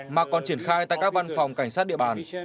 mà còn triển khai tại các văn phòng cảnh sát địa bàn